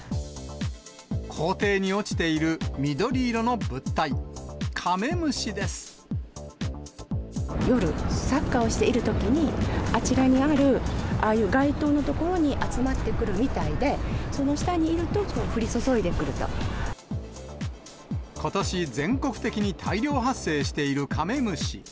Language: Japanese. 校庭に落ちている緑色の物体、夜、サッカーをしているときに、あちらにあるああいう街灯の所に集まってくるみたいで、その下にことし、全国的に大量発生しているカメムシ。